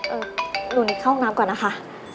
หนูนิดเข้าห้องน้ำก่อนนะคะ